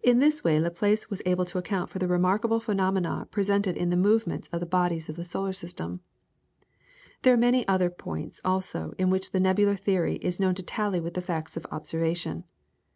In this way Laplace was able to account for the remarkable phenomena presented in the movements of the bodies of the solar system. There are many other points also in which the nebular theory is known to tally with the facts of observation.